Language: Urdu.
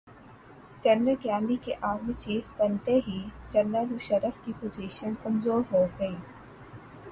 جنرل کیانی کے آرمی چیف بنتے ہی جنرل مشرف کی پوزیشن کمزورہوگئی۔